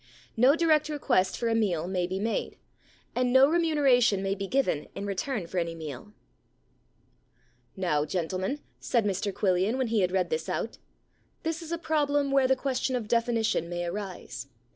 No direct request for a meal may be made, and no remuneration may be given in return for any meal/ * Now, gentlemen/ said Mr Quillian, when he had read this out, * this is a problem where the question of definition may arise.